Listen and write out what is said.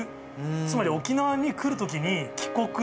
つまり沖縄に来るときに、帰国。